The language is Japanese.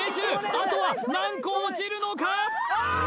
あとは何個落ちるのか？